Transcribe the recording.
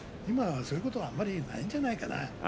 今はそういうことはあまりないんじゃないかな。